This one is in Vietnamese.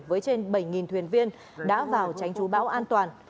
với trên bảy thuyền viên đã vào tránh trú bão an toàn